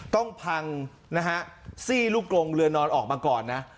ต้องพังนะฮะซี่ลูกกลงเรือนอนออกมาก่อนนะ